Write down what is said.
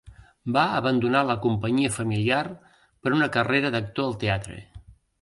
Va abandonar la companyia familiar per una carrera d'actor al teatre.